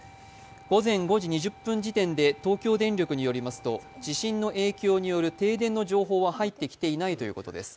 午前５時２０分時点で東京電力によりますと地震の影響による停電の情報は入ってきていないということです。